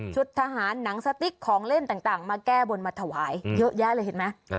ทหารหนังสติ๊กของเล่นต่างมาแก้บนมาถวายเยอะแยะเลยเห็นไหม